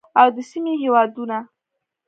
او د سیمې هیوادونه